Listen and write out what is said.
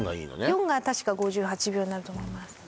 ４が確か５８秒になると思います